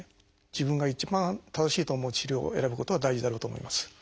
自分が一番正しいと思う治療を選ぶことが大事だろうと思います。